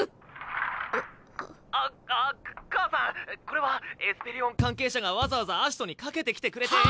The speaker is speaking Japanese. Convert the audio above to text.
これはエスペリオン関係者がわざわざ葦人にかけてきてくれて。